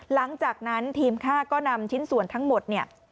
หลังจากนั้นทีมค่าก็นำชิ้นส่วนทั้งหมดเนี่ย